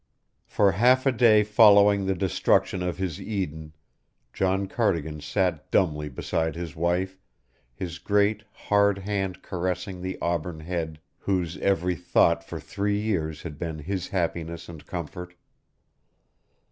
For half a day following the destruction of his Eden John Cardigan sat dumbly beside his wife, his great, hard hand caressing the auburn head whose every thought for three years had been his happiness and comfort.